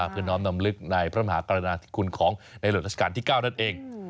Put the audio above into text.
พื้นฮอมนำลึกนายพระมหากรรณาธิคุณของในเหล่านักราชการที่๙นั่นเอง